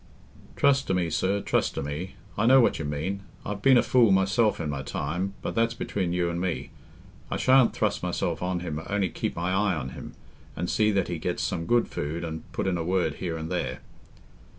"Trust to me, sir—trust to me. I know what you mean. I've been a fool myself in my time, but that's between you and me. I shan't thrust myself on him only keep my eye on him, and see that he gets some good food, and put in a word here and there."